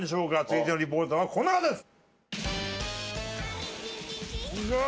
続いてのリポーターはこの方です！